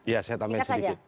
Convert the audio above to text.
ya saya tambahin sedikit